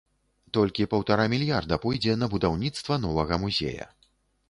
Толькі паўтара мільярда пойдзе на будаўніцтва новага музея.